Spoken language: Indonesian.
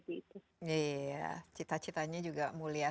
iya cita citanya juga mulia